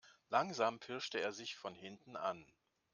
Langsam pirschte er sich von hinten an.